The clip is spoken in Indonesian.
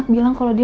eh mas reni